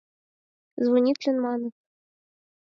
— Звонитлен, маныт...